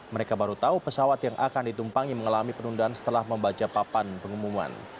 mereka baru tahu pesawat yang akan ditumpangi mengalami penundaan setelah membaca papan pengumuman